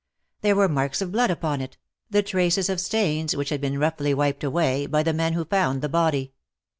There were marks of blood upon it — the traces of stains which had been roughly wiped away by the men who found the body.